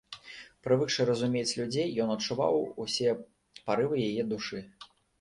Прывыкшы разумець людзей, ён адчуваў усе парывы яе душы.